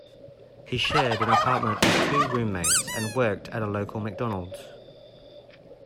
He shared an apartment with two roommates and worked at a local McDonald's.